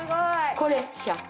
これ１００。